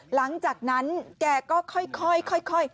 หลังจากนั้นแกก็ค่อย